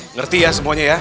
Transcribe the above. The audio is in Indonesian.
ngerti ya semuanya ya